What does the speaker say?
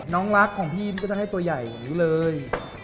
น้องรักของพี่ก็จะให้ตัวใหญ่หิวเลย